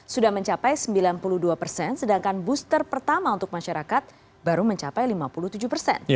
sudah mencapai sembilan puluh dua persen sedangkan booster pertama untuk masyarakat baru mencapai lima puluh tujuh persen